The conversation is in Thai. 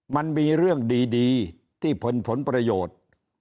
มันมีเรื่องดีที่ผลประโยชน์